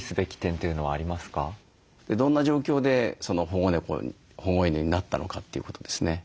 どんな状況で保護猫保護犬になったのかということですね。